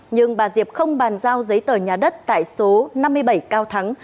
nhưng bà diệp không bàn giao giấy tờ nhà đất tại số năm mươi bảy cao thắng